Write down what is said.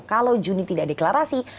kalau juni tidak deklarasi